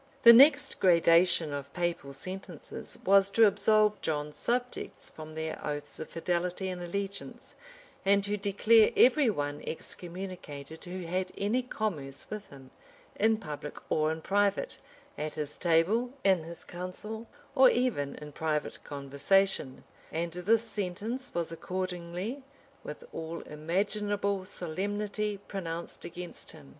[] {1212.} The next gradation of papal sentences was to absolve John's subjects from their oaths of fidelity and allegiance, and to declare every one excommunicated who had any commerce with him, in public or in private; at his table, in his council, or even in private conversation:[] and this sentence was accordingly, with all imaginable solemnity, pronounced against him.